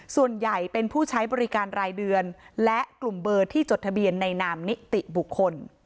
ส่วนใหญ่เป็นผู้ใช้บริการรายเดือนและกลุ่มเบอร์ที่จดทะเบียนในนามนิติบุคคล